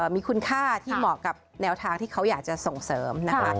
มีคุณค่าที่เหมาะกับแนวทางที่เขาอยากจะส่งเสริมนะคะ